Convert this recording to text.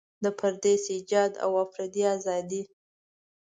د پریس ایجاد او فردي ازادۍ.